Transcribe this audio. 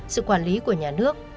sự quản lý của nhà nước